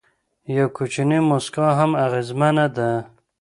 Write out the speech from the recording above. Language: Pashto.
یو کوچنی موسکا هم اغېزمنه ده.